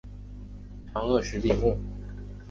长萼石笔木为山茶科石笔木属下的一个种。